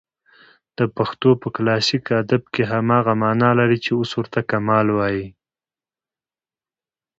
د پښتو په کلاسیک ادب کښي هماغه مانا لري، چي اوس ورته کمال وايي.